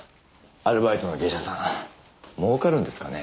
アルバイトの芸者さん儲かるんですかね？